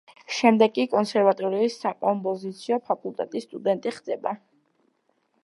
შემდეგ კი კონსერვატორიის საკომპოზიციო ფაკულტეტის სტუდენტი ხდება.